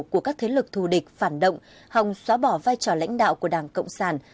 của các thế lực thù địch phản động hòng xóa bỏ vai trò lãnh đạo của đảng cộng sản